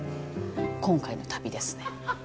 今回の旅ですね。